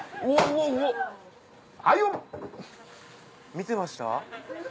・見てました？